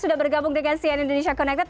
sudah bergabung dengan cn indonesia connected